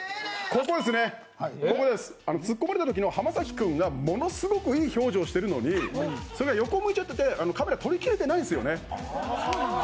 ここですね、ツッコまれたときの浜崎君がものすごくいい表情してるのに、それが横向いちゃっててカメラ、撮り切れてないんですよね